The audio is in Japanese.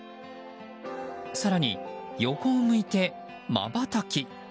更に横を向いてまばたき。